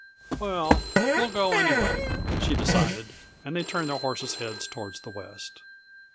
"Well, we'll go, anyway," she decided, and they turned their horses' heads toward the west.